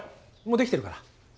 もうできてるから。